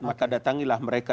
maka datangilah mereka